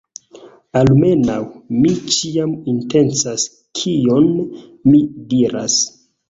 Almenaŭ,... mi ĉiam intencas kion mi diras.